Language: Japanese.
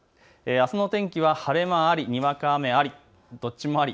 あすの天気は晴れ間あり、にわか雨あり、どっちもあり。